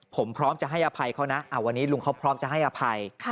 ผมพร้อมจะให้อภัยเขานะวันนี้ลุงเขาพร้อมจะให้อภัย